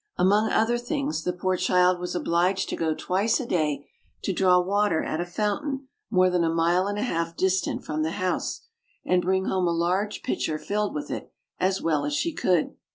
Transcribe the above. Among other things, the poor child was obliged to go twice a day to draw water at a fountain more than a mile and a half distant from the house, and bring home a large pitcher filled with it, as well as she could.